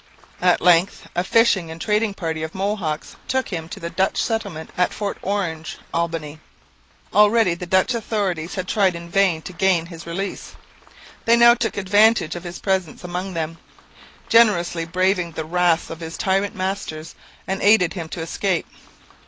At length a fishing and trading party of Mohawks took him to the Dutch settlement at Fort Orange (Albany). Already the Dutch authorities had tried in vain to gain his release. They now took advantage of his presence among them, generously braving the wrath of his tyrant masters, and aided him to escape.